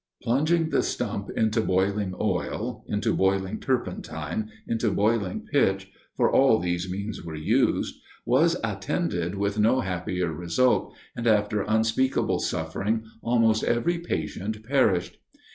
Plunging the stump into boiling oil, into boiling turpentine, into boiling pitch, for all these means were used, was attended with no happier result, and after unspeakable suffering, almost every patient perished.